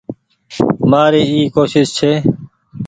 مآري اي ڪوشش ڇي ۔